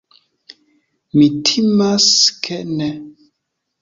Mi timas, ke ne.